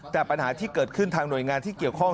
แต่ปัญหาที่เกิดขึ้นทางหน่วยงานที่เกี่ยวข้อง